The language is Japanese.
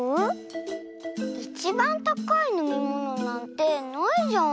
いちばんたかいのみものなんてないじゃん。